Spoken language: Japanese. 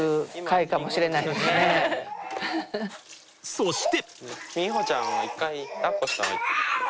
そして。